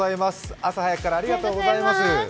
朝早くからありがとうございます。